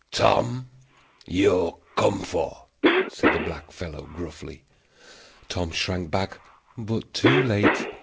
"Tom, you're come for," said the black fellow, gruffly. Tom shrank back, but too late.